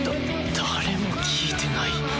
誰も聴いてない。